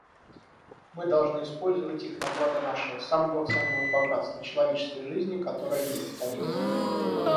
Мы должны использовать их на благо нашего самого ценного богатства — человеческой жизни, которая неповторима.